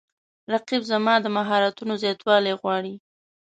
رقیب زما د مهارتونو زیاتوالی غواړي